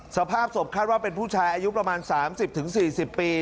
สภาพศพคาดว่าเป็นผู้ชายอายุประมาณสามสิบถึงสี่สิบปี